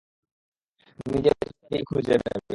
নিজের রাস্তা নিজেই খুঁজে নেবে।